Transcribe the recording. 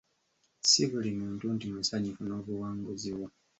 Ssi buli muntu nti musanyufu n'obuwanguzi bwo.